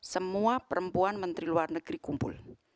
semua perempuan menteri luar negeri kumpul